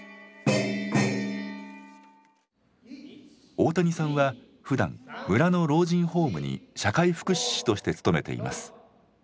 大谷さんはふだん村の老人ホームに社会福祉士として勤めています。